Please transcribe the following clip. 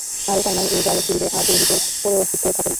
আর উপায় নাই, এ জাল ছিঁড়িলে আর পুরোহিতের পৌরোহিত্য থাকে না।